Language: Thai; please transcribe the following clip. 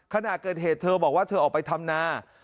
ขณะเกิดเหตุเธอบอกว่าเธอออกไปทำนา